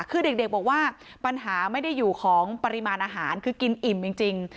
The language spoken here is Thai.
คือเด็กบอกว่าปัญหาไม่ได้อยู่ของปริมาณอาหารคือกินอิ่มจริง